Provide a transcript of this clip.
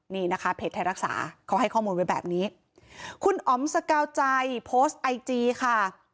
นี่นะคะเพจไทยรักษาเขาให้ข้อมูลไว้แบบนี้คุณอ๋อมสกาวใจโพสต์ไอจีค่ะ